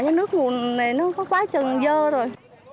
cho nước nguồn này nó có quá trần dơ rồi